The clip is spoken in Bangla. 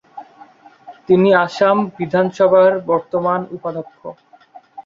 তিনি আসাম বিধানসভার বর্তমান উপাধ্যক্ষ।